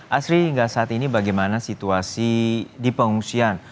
asri hingga saat ini bagaimana situasi di pengungsian